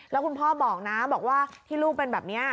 แล้วคุณพ่อบอกนะบอกว่าที่ลูกเป็นแบบนี้